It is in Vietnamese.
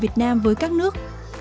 việt nam với các nước